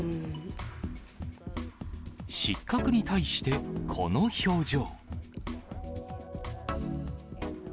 失格に対して、この表情。